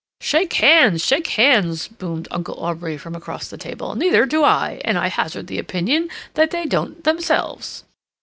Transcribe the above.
"Shake hands! Shake hands!" boomed Uncle Aubrey from across the table. "Neither do I. And I hazard the opinion that they don't themselves."